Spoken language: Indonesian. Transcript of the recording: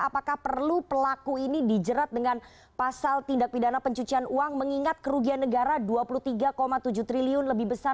apakah perlu pelaku ini dijerat dengan pasal tindak pidana pencucian uang mengingat kerugian negara dua puluh tiga tujuh triliun lebih besar